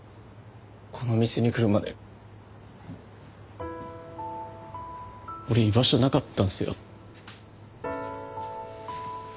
この店に来るまで俺居場所なかったんすよ。